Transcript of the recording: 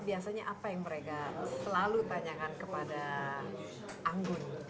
biasanya apa yang mereka selalu tanyakan kepada anggun